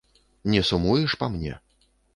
Не сумуеш па мне?